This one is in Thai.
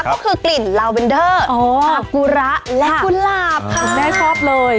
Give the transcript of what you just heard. ก็คือกลิ่นลาวเวนเดอร์อ๋ออักกุระและกุหลาบค่ะได้ครอบเลย